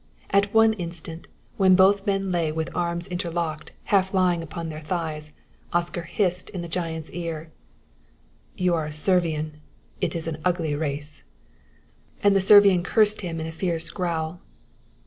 At one instant, when both men lay with arms interlocked, half lying on their thighs, Oscar hissed in the giant's ear: "You are a Servian: it is an ugly race." And the Servian cursed him in a fierce growl.